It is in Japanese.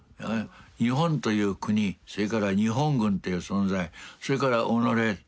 日本という国それから日本軍という存在それから己ですね